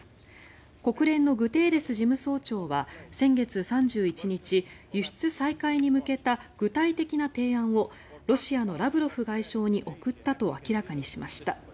国連のグテーレス事務総長は先月３１日輸出再開に向けた具体的な提案をロシアのラブロフ外相に送ったと明らかにしました。